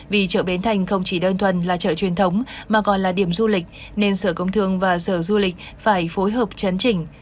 vì chợ bến thành không chỉ đơn thuần là chợ truyền thống mà còn là điểm du lịch nên sở công thương và sở du lịch phải phối hợp chấn chỉnh